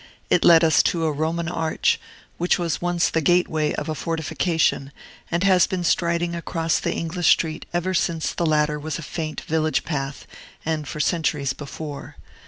It led us to a Roman arch, which was once the gateway of a fortification, and has been striding across the English street ever since the latter was a faint village path, and for centuries before.